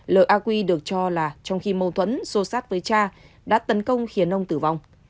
l a quy được cho là trong khi mâu thuẫn sâu sát với cha đã tấn công khiến ông tử vong